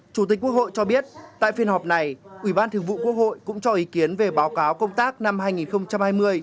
chủ tịch quốc hội cho biết tại phiên họp này ủy ban thường vụ quốc hội cũng cho ý kiến về báo cáo công tác năm hai nghìn hai mươi